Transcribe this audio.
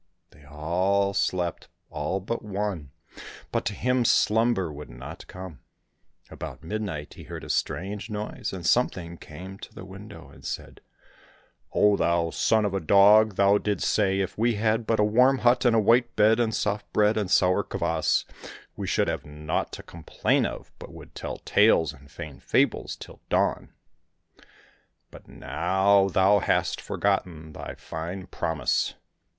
They all slept, all but one, but to him slumber would not come. About midnight he heard a strange noise, and something came to the window and said, " Oh, thou son of a dog ! thou didst say, ' If we had but a warm hut, and a white bed, and soft bread, and sour kvas, we should have naught to complain of, but would tell tales and feign fables till dawn '; but now thou hast forgotten thy fine promise